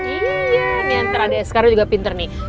iya ini antara adik askara juga pinter nih